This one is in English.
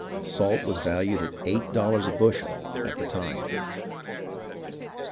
Salt was valued at eigJit dollars a btishel at the time.